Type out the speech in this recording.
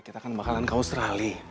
kita kan bakalan ke australia